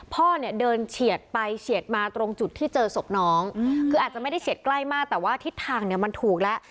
พ่อเนี่ยเดินเฉียดไปเฉียดมาตรงจุดที่เจอศพน้องคืออาจจะไม่ได้เฉียดใกล้มากแต่ว่าทิศทางเนี่ยมันถูกแล้ว